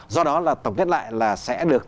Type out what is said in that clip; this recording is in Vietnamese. do đó là tổng kết lại là sẽ được